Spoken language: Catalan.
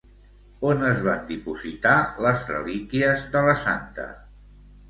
On es van dipositar les relíquies de la santa?